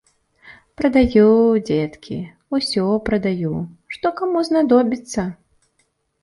Прадаю, дзеткі, усё прадаю, што каму знадобіцца.